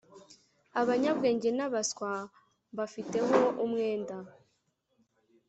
abanyabwenge n’abaswa mbafiteho umwenda